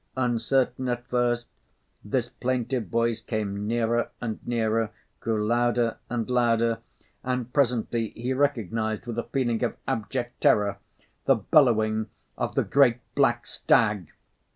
Uncertain at first, this plaintive voice came nearer and nearer, grew louder and louder and presently he recognised, with a feeling of abject terror, the bellowing of the great black stag.